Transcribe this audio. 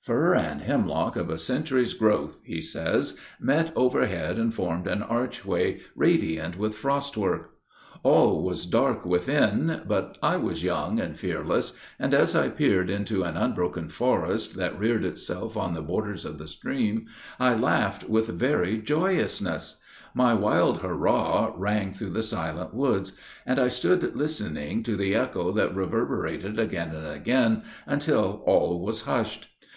"Fir and hemlock of a century's growth," he says, "met overhead and formed an archway, radiant with frostwork. All was dark within; but I was young and fearless; and, as I peered into an unbroken forest that reared itself on the borders of the stream, I laughed with very joyousness; my wild hurrah rang through the silent woods, and I stood listening to the echo that reverberated again and again, until all was hushed.